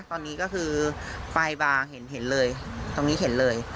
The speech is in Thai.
ตอนนี้ก็คือปลายบางเห็นเลยตรงนี้เห็นเลย